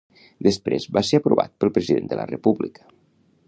Després va ser aprovat pel President de la República.